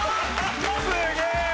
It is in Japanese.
すげえわ！